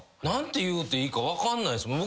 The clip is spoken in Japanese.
何て言うていいか分かんないす。